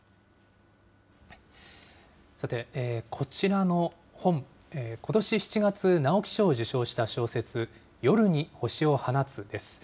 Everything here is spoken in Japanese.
さて、こちらの本、ことし７月、直木賞を受賞した小説、夜に星を放つです。